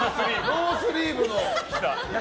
ノースリーブの逆？